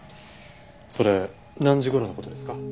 それ何時頃の事ですか？